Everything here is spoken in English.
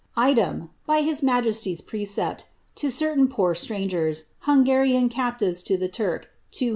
*^ Item, by bis majesty's precept, to certain jputr strangers, Hangarian captives to tbe Turk, 2U0